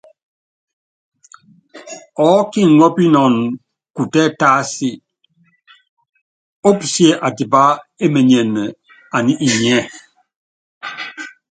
Ɔɔ́ kiŋɔ́pinɔnɔ kutɛ́ tásia ópusíé atipá emenyene aní inyiɛ́.